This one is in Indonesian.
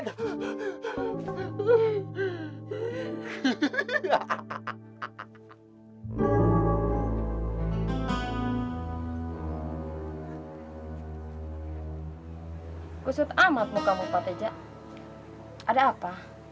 khusus amatmu kamu pak tejak ada apa